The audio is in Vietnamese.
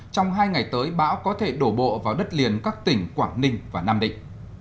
trong hai ngày tới bão có thể đổ bộ vào đất liền các tỉnh quảng ninh và nam định